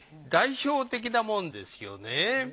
代表的なもんですよね。